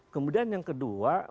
kemudian yang kedua